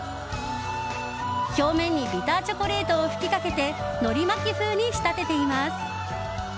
表面にビターチョコレートを吹きかけてのり巻き風に仕立てています。